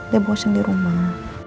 dia bosen di rumah